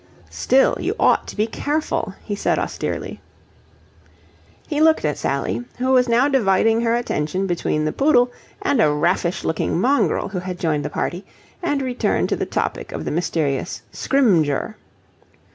"Still you ought to be careful," he said austerely. He looked at Sally, who was now dividing her attention between the poodle and a raffish looking mongrel, who had joined the party, and returned to the topic of the mysterious Scrymgeour.